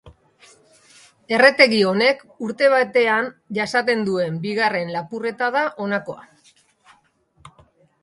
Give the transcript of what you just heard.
Erretegi honek urte batean jasaten duen bigarren lapurreta da honakoa.